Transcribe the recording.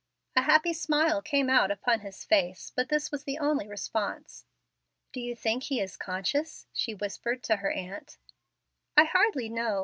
A happy smile came out upon his face, but this was the only response. "Do you think he is conscious?" she whispered to her aunt. "I hardly know.